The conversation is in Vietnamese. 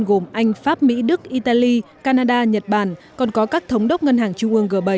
gồm anh pháp mỹ đức italy canada nhật bản còn có các thống đốc ngân hàng trung ương g bảy